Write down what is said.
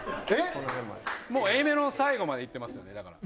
もうＡメロの最後までいってますよねだから。